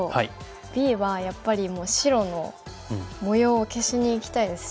Ｂはやっぱりもう白の模様を消しにいきたいですし。